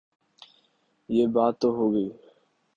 یہ بات تو ہو گئی۔